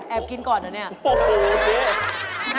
แอบกินก่อนเหรอนี่อ่ะโอ๊ยเฮ่ย